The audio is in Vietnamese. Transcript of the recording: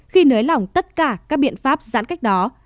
khi nới lỏng tất cả các biện pháp giãn cách đó